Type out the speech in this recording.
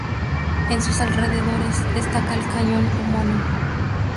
En sus alrededores destaca el cañón homónimo.